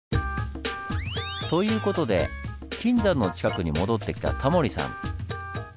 という事で金山の近くに戻ってきたタモリさん。